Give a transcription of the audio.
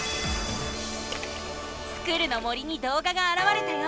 スクる！の森にどうががあらわれたよ！